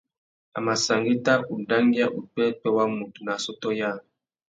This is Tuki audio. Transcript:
A mà sangüetta udangüia upwêpwê wa mutu nà assôtô yâā.